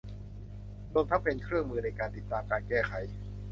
รวมทั้งเป็นเครื่องมือในการติดตามการแก้ไข